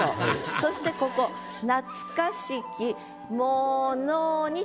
そしてここ「懐かしきものに」と。